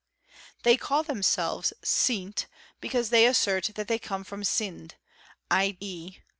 They call themselves Sint because they assert that they come from Sind, 7.e.